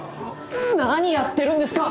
何やってるんですか！？